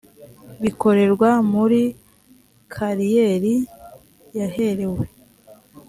bikorerwa muri kariyeri yaherewe